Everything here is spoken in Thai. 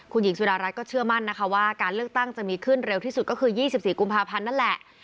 คุณหญิงสุดารัฐก็เชื่อมั่นนะคะว่าการเลือกตั้งจะมีขึ้นเร็วที่สุดก็คือ๒๔กุมภาพันธ์นั่นแหละ